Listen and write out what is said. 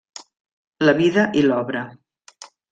La vida i l'obra.